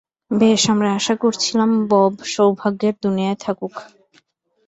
বেশ, আমরা আশা করছিলাম বব সৌভাগ্যের দুনিয়ায় থাকুক।